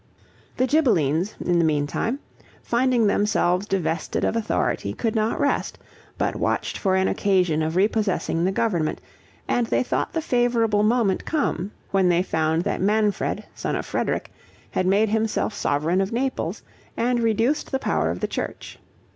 The Ghibellines, in the meantime, finding themselves divested of authority, could not rest, but watched for an occasion of repossessing the government; and they thought the favorable moment come, when they found that Manfred, son of Frederick, had made himself sovereign of Naples, and reduced the power of the church.